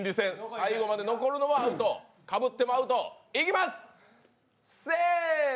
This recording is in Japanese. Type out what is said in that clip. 最後まで残るのはアウト、かぶってもアウト。